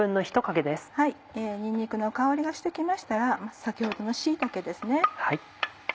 にんにくの香りがして来ましたら先ほどの椎茸ですね。